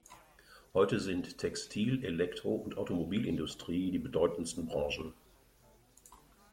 Heute sind Textil-, Elektro- und Automobilindustrie die bedeutendsten Branchen.